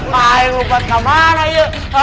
kayak ngumpet kemana ya